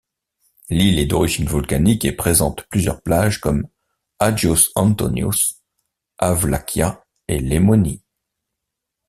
L'île est d'origine volcanique et présente plusieurs plages comme Agios Antonios, Avlakia et Lemoni.